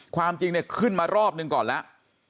ความจริงเนี่ยขึ้นมารอบหนึ่งก่อนแล้ว